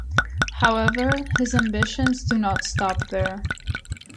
However, his ambitions do not stop there.